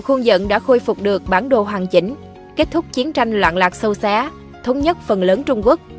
khuôn dẫn đã khôi phục được bản đồ hoàn chỉnh kết thúc chiến tranh loạn lạc sâu xé thống nhất phần lớn trung quốc